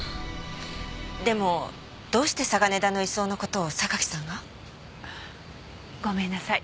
でもどうして嵯峨根田の移送の事を榊さんが？ごめんなさい。